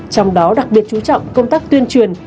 trong đó đặc biệt chú trọng công tác tuyên truyền